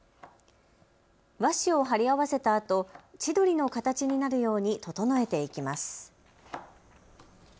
和紙を張り合わせたあと、千鳥の形になるように整えていきます。